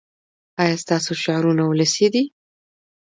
ایا ستاسو شعرونه ولسي دي؟